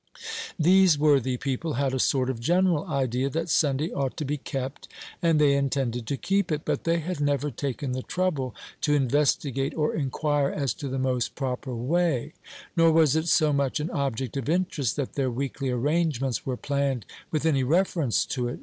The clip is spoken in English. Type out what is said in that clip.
These worthy people had a sort of general idea that Sunday ought to be kept, and they intended to keep it; but they had never taken the trouble to investigate or inquire as to the most proper way, nor was it so much an object of interest that their weekly arrangements were planned with any reference to it.